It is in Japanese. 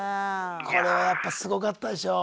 これはやっぱすごかったでしょう？